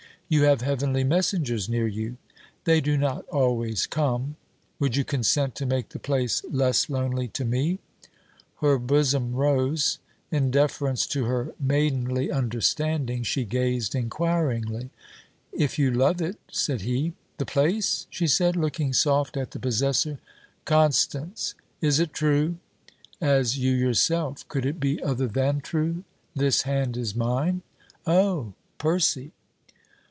'You have heavenly messengers near you.' 'They do not always come.' 'Would you consent to make the place less lonely to me?' Her bosom rose. In deference to her maidenly understanding, she gazed inquiringly. 'If you love it!' said he. 'The place?' she said, looking soft at the possessor. 'Constance!' 'Is it true?' 'As you yourself. Could it be other than true? This hand is mine?' 'Oh! Percy.'